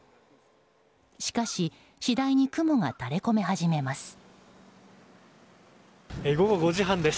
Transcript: しかし、次第に雲が垂れ込め始めます。